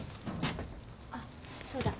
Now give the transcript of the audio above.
あっそうだ。